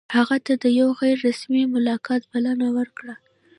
هغه ته د یوه غیر رسمي ملاقات بلنه ورکړه.